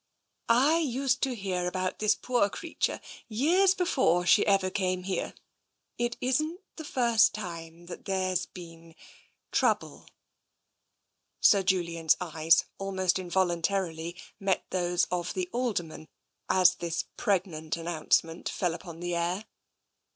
" I used to hear about this poor creature years be fore she ever came hetfe. It isn't the first time that there's been — trouble." Sir Julian's eyes almost involuntarily met those of the Alderman as this pregnant announcement fell upon the air.